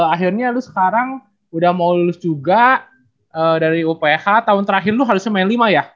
akhirnya lu sekarang udah mau lulus juga dari uph tahun terakhir lo harusnya main lima ya